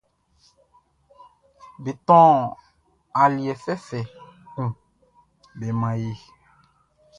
Be tɔn aliɛ fɛfɛ kun be man e.